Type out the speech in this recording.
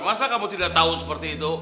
masa kamu tidak tahu seperti itu